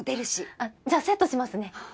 あっじゃあセットしますね。